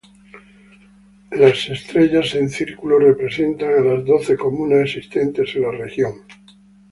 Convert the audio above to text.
Las estrellas en círculo representan a las doce comunas existentes en la región.